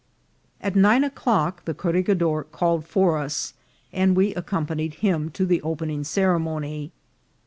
At nine o'clock the corregidor called for us, and we accompanied him to the opening ceremony.